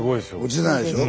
落ちてないでしょ。